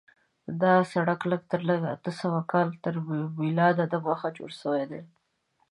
دا سړک لږ تر لږه اته سوه کاله تر میلاد دمخه جوړ شوی دی.